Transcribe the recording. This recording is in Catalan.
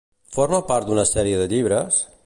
Forma part d'una sèrie de llibres?